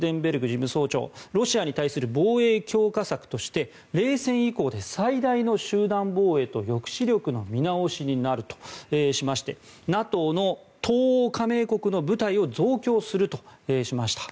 事務総長はロシアに対する防衛強化策として冷戦以降で最大の集団防衛と抑止力の見直しになるとしましてＮＡＴＯの東欧加盟国の部隊を増強するとしました。